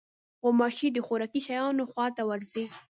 غوماشې د خوراکي شیانو خوا ته ورځي.